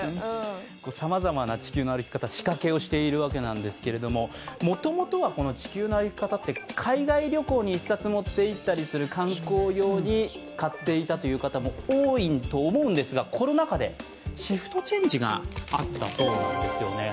さまざまな「地球の歩き方」、仕掛けをしているわけなんですが、もともとは「地球の歩き方」って海外旅行に１冊持っていったりする観光用に買っていたという方も多いと思うんですがコロナ禍でシフトチェンジがあったそうなんですね。